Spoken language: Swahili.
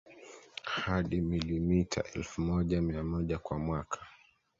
hadi milimita elfu moja mia moja kwa mwaka